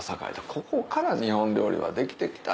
ここから日本料理はできてきた。